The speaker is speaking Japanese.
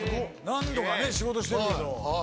何度かね仕事してるけど。